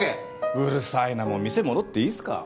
うるさいなもう店戻っていいっすか？